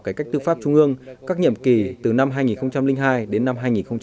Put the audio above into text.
cải cách tư pháp trung ương các nhiệm kỳ từ năm hai nghìn hai đến năm hai nghìn một mươi